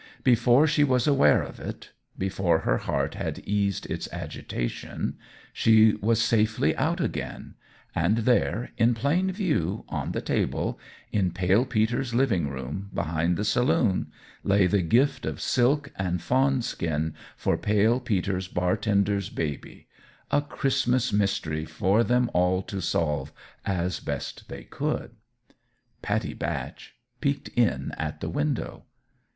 Before she was aware of it before her heart had eased its agitation she was safely out again; and there, in plain view, on the table, in Pale Peter's living room behind the saloon, lay the gift of silk and fawn skin for Pale Peter's bartender's baby a Christmas mystery for them all to solve as best they could. Pattie Batch peeked in at the window.